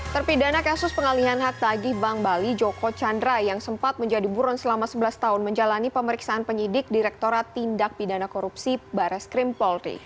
terpidana kasus pengalihan hak tagih bank bali joko chandra yang sempat menjadi buron selama sebelas tahun menjalani pemeriksaan penyidik direktorat tindak pidana korupsi bares krim polri